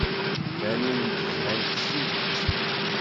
Banen-d zhan s tidet.